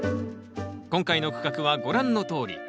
今回の区画はご覧のとおり。